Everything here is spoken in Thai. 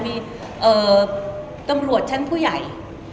มีตำรวจชั้นผู้ใหญ่